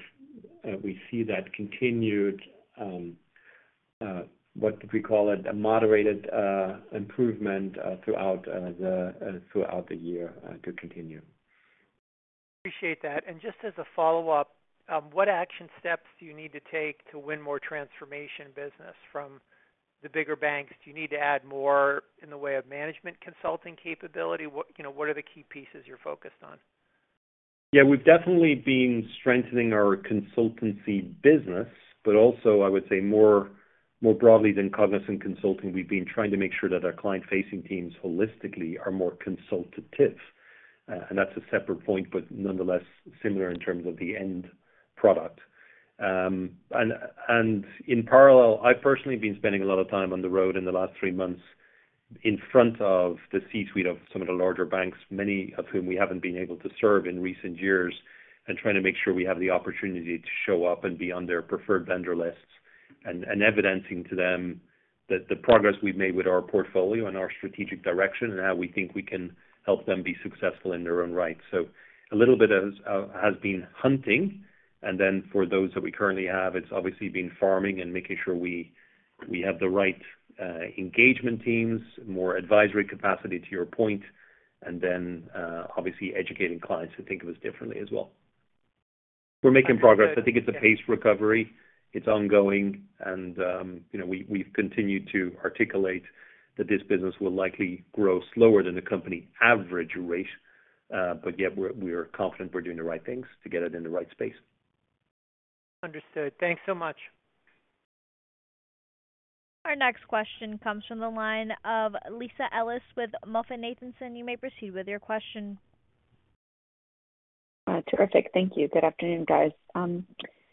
we see that continued what we call a moderated improvement throughout the year to continue. Appreciate that. Just as a follow-up, what action steps do you need to take to win more transformation business from the bigger banks? Do you need to add more in the way of management consulting capability? What, you know, what are the key pieces you're focused on? Yeah, we've definitely been strengthening our consultancy business, but also I would say more broadly than Cognizant Consulting, we've been trying to make sure that our client-facing teams holistically are more consultative. That's a separate point, but nonetheless similar in terms of the end product. In parallel, I've personally been spending a lot of time on the road in the last three months in front of the C-suite of some of the larger banks, many of whom we haven't been able to serve in recent years, and trying to make sure we have the opportunity to show up and be on their preferred vendor lists and evidencing to them that the progress we've made with our portfolio and our strategic direction and how we think we can help them be successful in their own right. A little bit of that has been hunting. For those that we currently have, it's obviously been farming and making sure we have the right engagement teams, more advisory capacity to your point, and then obviously educating clients to think of us differently as well. We're making progress. I think it's a paced recovery. It's ongoing, and you know, we've continued to articulate that this business will likely grow slower than the company average rate, but yet we're confident we're doing the right things to get it in the right space. Understood. Thanks so much. Our next question comes from the line of Lisa Ellis with MoffettNathanson. You may proceed with your question. Terrific. Thank you. Good afternoon, guys.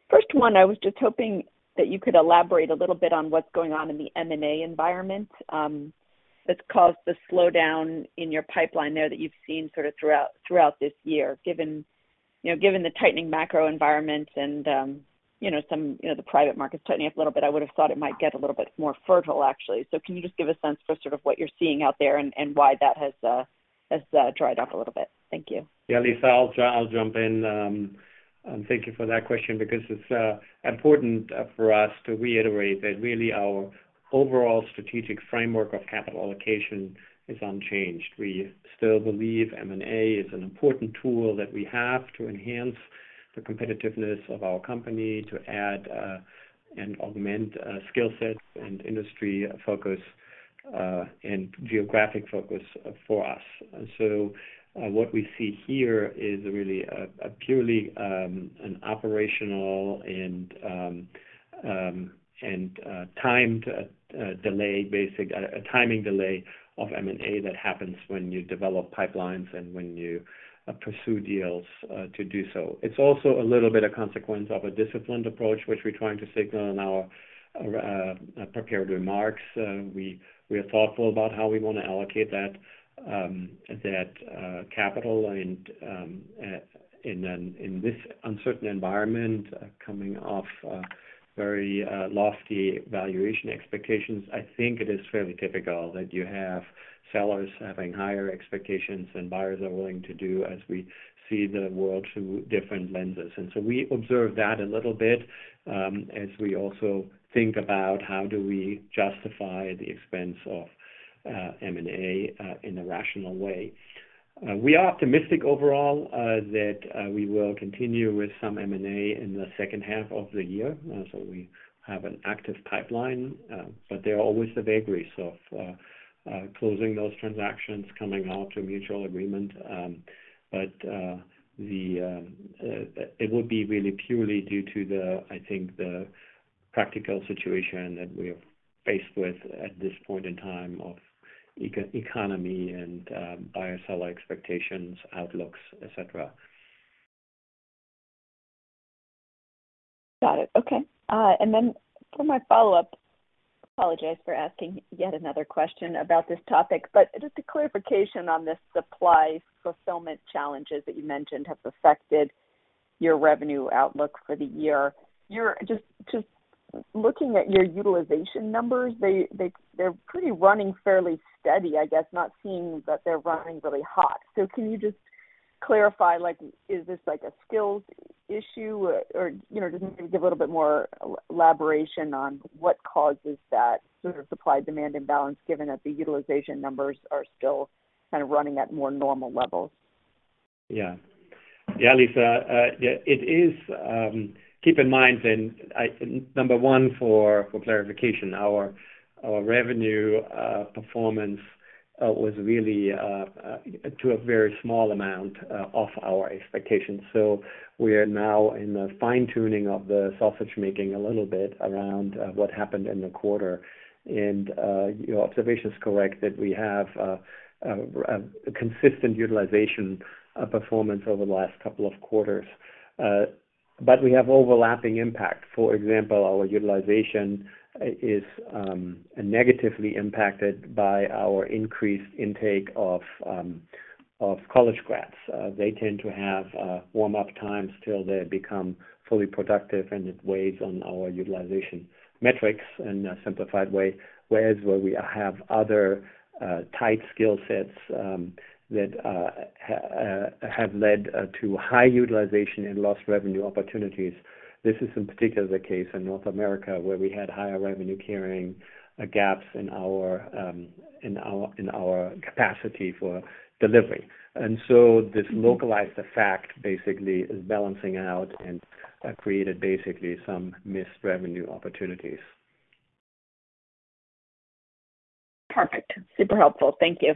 First one, I was just hoping that you could elaborate a little bit on what's going on in the M&A environment that's caused the slowdown in your pipeline there that you've seen sort of throughout this year. Given, you know, given the tightening macro environment and, you know, some, you know, the private markets tightening up a little bit, I would have thought it might get a little bit more fertile, actually. So can you just give a sense for sort of what you're seeing out there and why that has dried up a little bit? Thank you. Yeah. Lisa, I'll jump in. Thank you for that question because it's important for us to reiterate that really our overall strategic framework of capital allocation is unchanged. We still believe M&A is an important tool that we have to enhance the competitiveness of our company to add and augment skill sets and industry focus and geographic focus for us. What we see here is really purely an operational and timed delay, a timing delay of M&A that happens when you develop pipelines and when you pursue deals to do so. It's also a little bit of consequence of a disciplined approach, which we're trying to signal in our prepared remarks. We are thoughtful about how we want to allocate that capital. In this uncertain environment, coming off very lofty valuation expectations, I think it is fairly typical that you have sellers having higher expectations than buyers are willing to do as we see the world through different lenses. We observe that a little bit, as we also think about how do we justify the expense of M&A in a rational way. We are optimistic overall that we will continue with some M&A in the second half of the year. We have an active pipeline, but there are always the vagaries of closing those transactions coming to mutual agreement. It would be really purely due to the, I think, the practical situation that we are faced with at this point in time of economy and buyer-seller expectations, outlooks, et cetera. Got it. Okay. For my follow-up, apologize for asking yet another question about this topic, but just a clarification on this supply fulfillment challenges that you mentioned have affected your revenue outlook for the year. Just looking at your utilization numbers, they're pretty running fairly steady, I guess not seeing that they're running really hot. Can you just clarify, like, is this like a skills issue or, you know, just maybe give a little bit more elaboration on what causes that sort of supply-demand imbalance, given that the utilization numbers are still kind of running at more normal levels? Yeah. Yeah, Lisa, yeah, it is, keep in mind then, number one, for clarification, our revenue performance was really to a very small amount off our expectations. We are now in the fine-tuning of the sausage-making a little bit around what happened in the quarter. Your observation is correct that we have consistent utilization performance over the last couple of quarters. We have overlapping impact. For example, our utilization is negatively impacted by our increased intake of college grads. They tend to have warm-up times till they become fully productive, and it weighs on our utilization metrics in a simplified way. Whereas where we have other tight skill sets that have led to high utilization and lost revenue opportunities. This is in particular the case in North America, where we had higher revenue carrying gaps in our capacity for delivery. This localized effect basically is balancing out and created basically some missed revenue opportunities. Perfect. Super helpful. Thank you.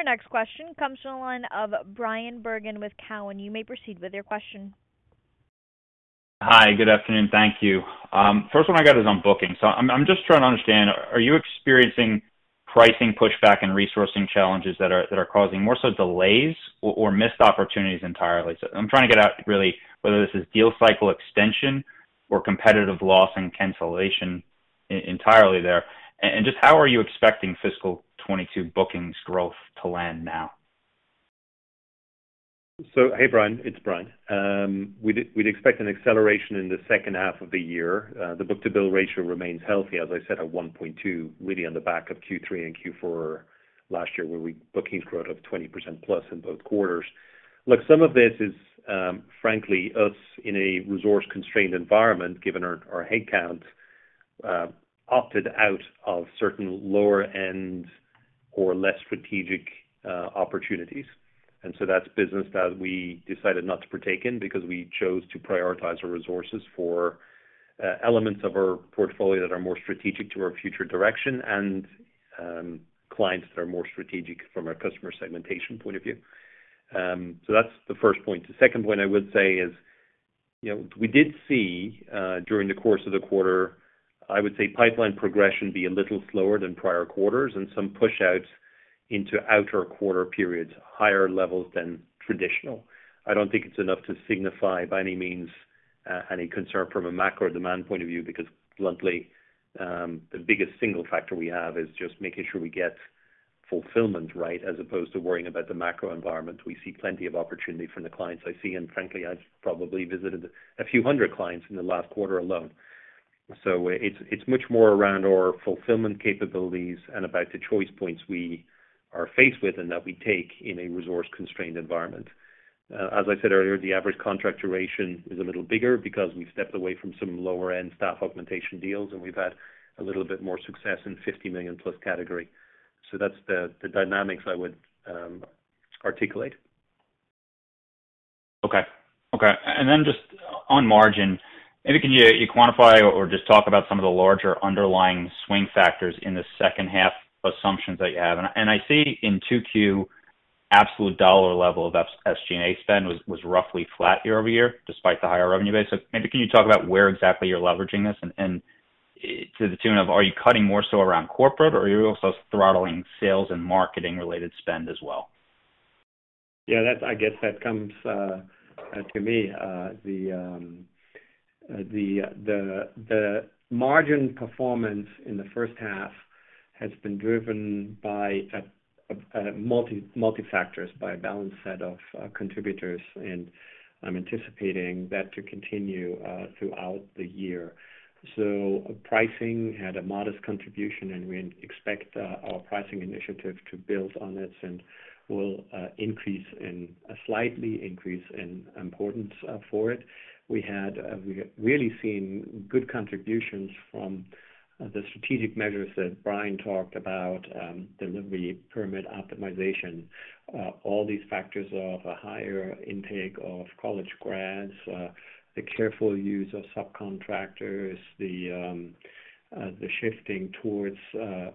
Our next question comes from the line of Bryan Bergin with Cowen. You may proceed with your question. Hi, good afternoon. Thank you. First one I got is on booking. I'm just trying to understand, are you experiencing pricing pushback and resourcing challenges that are causing more so delays or missed opportunities entirely? I'm trying to get at really whether this is deal cycle extension or competitive loss and cancellation entirely there. Just how are you expecting fiscal 2022 bookings growth to land now? Hey, Bryan, it's Brian. We'd expect an acceleration in the second half of the year. The book-to-bill ratio remains healthy, as I said, at 1.2, really on the back of Q3 and Q4 last year, where bookings growth of 20% plus in both quarters. Look, some of this is frankly us in a resource-constrained environment, given our headcount opted out of certain lower-end or less strategic opportunities. That's the first point. The second point I would say is, you know, we did see, during the course of the quarter, I would say pipeline progression be a little slower than prior quarters and some pushouts into outer quarter periods, higher levels than traditional. I don't think it's enough to signify by any means, any concern from a macro demand point of view, because bluntly, the biggest single factor we have is just making sure we get fulfillment right, as opposed to worrying about the macro environment. We see plenty of opportunity from the clients I see, and frankly, I've probably visited a few hundred clients in the last quarter alone. It's much more around our fulfillment capabilities and about the choice points we are faced with and that we take in a resource-constrained environment. As I said earlier, the average contract duration is a little bigger because we've stepped away from some lower-end staff augmentation deals, and we've had a little bit more success in 50 million-plus category. That's the dynamics I would articulate. Just on margin, maybe can you quantify or just talk about some of the larger underlying swing factors in the second half assumptions that you have? I see in 2Q, absolute dollar level of SG&A spend was roughly flat year-over-year despite the higher revenue base. Maybe can you talk about where exactly you're leveraging this and to the tune of, are you cutting more so around corporate or are you also throttling sales and marketing related spend as well? Yeah, I guess that comes to me. The margin performance in the first half has been driven by multiple factors, by a balanced set of contributors, and I'm anticipating that to continue throughout the year. Pricing had a modest contribution, and we expect our pricing initiative to build on this and will slightly increase in importance for it. We had really seen good contributions from the strategic measures that Brian talked about, delivery pyramid optimization. All these factors of a higher intake of college grads, the careful use of subcontractors, the shifting towards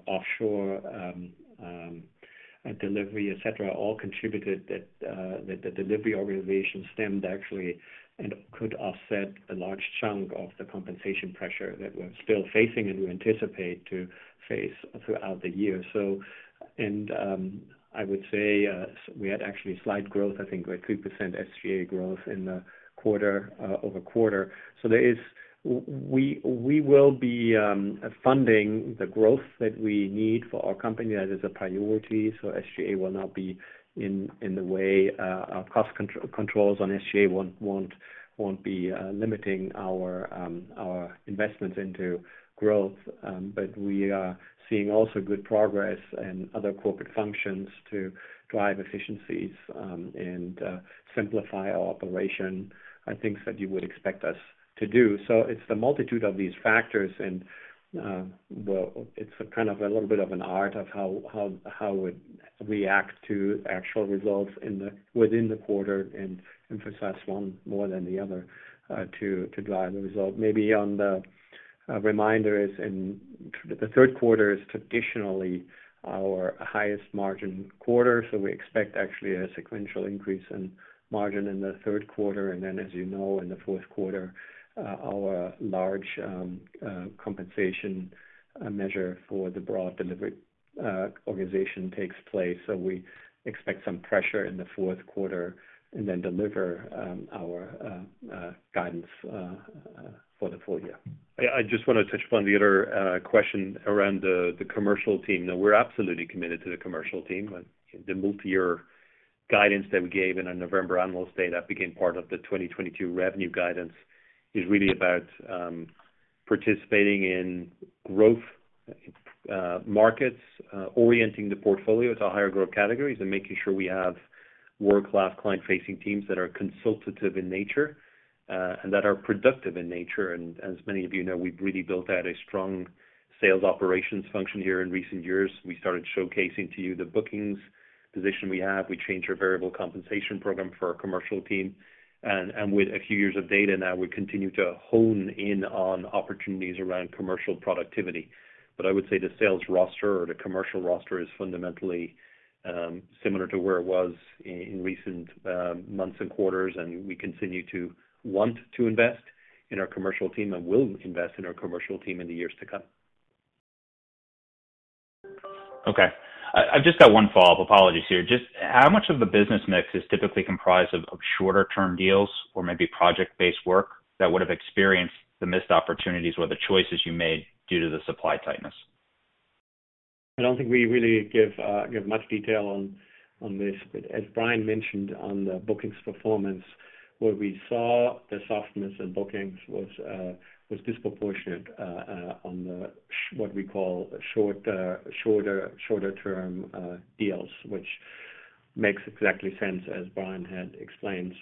offshore delivery, et cetera, all contributed that the delivery organization grew actually and could offset a large chunk of the compensation pressure that we're still facing and we anticipate to face throughout the year. I would say we had actually slight growth. I think we had 3% SG&A growth in the quarter quarter-over-quarter. We will be funding the growth that we need for our company as is a priority, so SG&A will not be in the way. Our cost controls on SG&A won't be limiting our investments into growth. We are seeing also good progress in other corporate functions to drive efficiencies, and simplify our operation, things that you would expect us to do. It's the multitude of these factors and, well, it's a kind of a little bit of an art of how it react to actual results within the quarter and emphasize one more than the other, to drive the result. Maybe on the margins. The third quarter is traditionally our highest margin quarter, so we expect actually a sequential increase in margin in the third quarter. Then as you know, in the fourth quarter, our large compensation measure for the broad delivery organization takes place. We expect some pressure in the fourth quarter and then deliver our guidance for the full year. I just wanna touch upon the other question around the commercial team. Now we're absolutely committed to the commercial team. The multi-year guidance that we gave in our November annual state, that became part of the 2022 revenue guidance, is really about participating in growth markets, orienting the portfolio to higher growth categories and making sure we have world-class client-facing teams that are consultative in nature and that are productive in nature. As many of you know, we've really built out a strong sales operations function here in recent years. We started showcasing to you the bookings position we have. We changed our variable compensation program for our commercial team. With a few years of data now, we continue to hone in on opportunities around commercial productivity. I would say the sales roster or the commercial roster is fundamentally similar to where it was in recent months and quarters, and we continue to want to invest in our commercial team and will invest in our commercial team in the years to come. Okay. I've just got one follow-up. Apologies here. Just how much of the business mix is typically comprised of shorter-term deals or maybe project-based work that would have experienced the missed opportunities or the choices you made due to the supply tightness? I don't think we really give much detail on this. As Brian mentioned on the bookings performance, where we saw the softness in bookings was disproportionate on what we call shorter-term deals, which makes exactly sense as Brian had explained.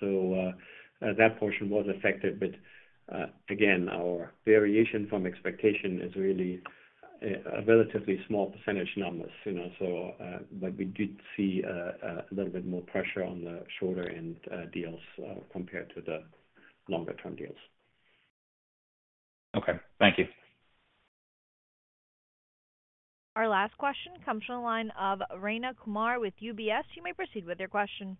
That portion was affected, but again, our variation from expectation is really a relatively small percentage numbers, you know. We did see a little bit more pressure on the shorter-end deals compared to the longer-term deals. Okay. Thank you. Our last question comes from the line of Rayna Kumar with UBS. You may proceed with your question.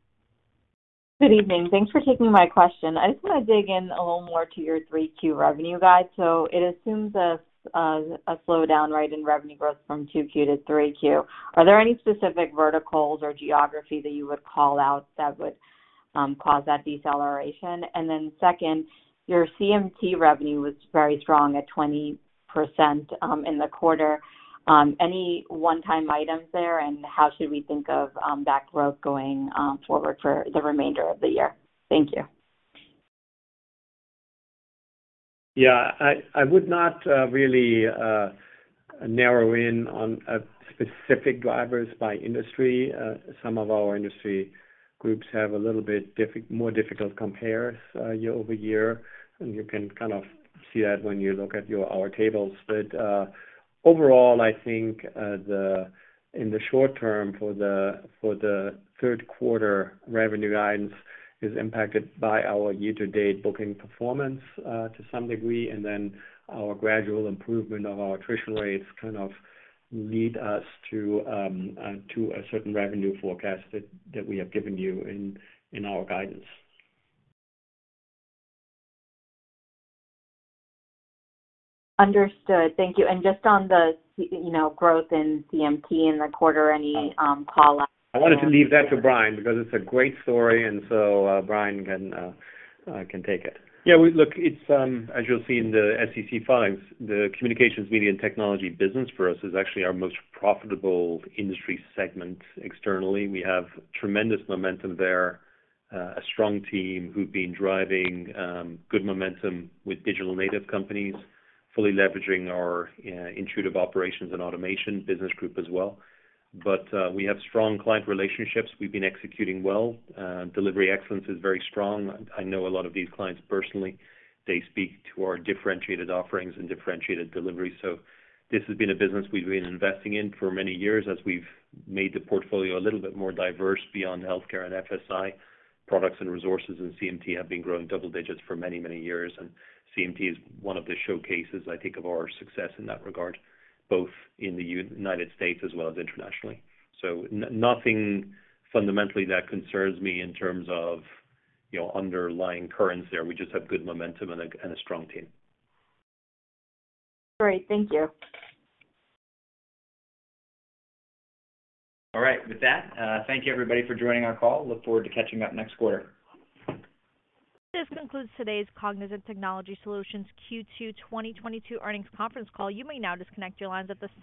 Good evening. Thanks for taking my question. I just wanna dig in a little more to your 3Q revenue guide. It assumes a slowdown right in revenue growth from 2Q to 3Q. Are there any specific verticals or geography that you would call out that would cause that deceleration? And then second, your CMT revenue was very strong at 20% in the quarter. Any one-time items there, and how should we think of that growth going forward for the remainder of the year? Thank you. Yeah, I would not really narrow in on specific drivers by industry. Some of our industry groups have a little bit more difficult compares year-over-year, and you can kind of see that when you look at our tables. Overall, I think in the short term for the third quarter revenue guidance is impacted by our year-to-date booking performance to some degree, and then our gradual improvement of our attrition rates kind of lead us to a certain revenue forecast that we have given you in our guidance. Understood. Thank you. Just on the, you know, growth in CMT in the quarter, any call-outs? I wanted to leave that to Brian because it's a great story, and so Brian can take it. Look, it's, as you'll see in the SEC filings, the communications, media, and technology business for us is actually our most profitable industry segment externally. We have tremendous momentum there, a strong team who've been driving good momentum with digital native companies, fully leveraging our intuitive operations and automation business group as well. We have strong client relationships. We've been executing well. Delivery excellence is very strong. I know a lot of these clients personally. They speak to our differentiated offerings and differentiated delivery. This has been a business we've been investing in for many years as we've made the portfolio a little bit more diverse beyond healthcare and FSI. Products and resources in CMT have been growing double digits for many, many years, and CMT is one of the showcases, I think, of our success in that regard, both in the United States as well as internationally. Nothing fundamentally that concerns me in terms of, you know, underlying currents there. We just have good momentum and a strong team. Great. Thank you. All right, with that, thank you everybody for joining our call. Look forward to catching up next quarter. This concludes today's Cognizant Technology Solutions Q2 2022 earnings conference call. You may now disconnect your lines at this time.